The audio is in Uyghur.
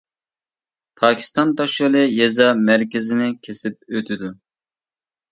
پاكىستان تاشيولى، يېزا مەركىزىنى كېسىپ ئۆتىدۇ.